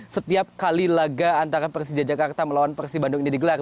setiap kali laga antara persija jakarta melawan persi bandung ini digelar